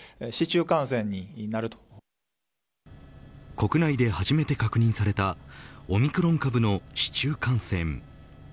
国内で初めて確認されたオミクロン株の市中感染。